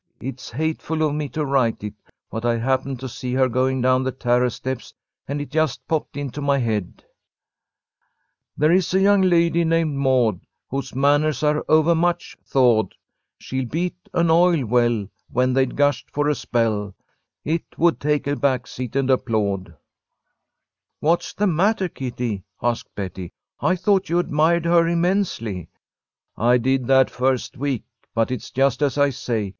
It's hateful of me to write it, but I happened to see her going down the terrace steps and it just popped into my head: "There is a young lady named Maud, Whose manners are overmuch thawed. She'll beat an oil well. When they'd gushed for a spell It would take a back seat and applaud." "What's the matter, Kitty?" asked Betty, "I thought you admired her immensely." "I did that first week, but it's just as I say.